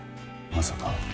まさか。